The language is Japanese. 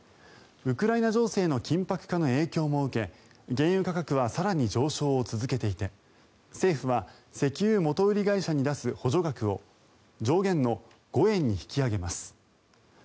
ウクライナ情勢の緊迫化の影響も受け原油価格は更に上昇を続けていて政府は石油元売り会社に出す補助額を上限の５円に引き上げます。